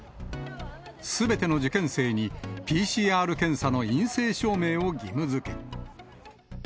すべての受験生にＰＣＲ検査の陰性証明を義務づけ。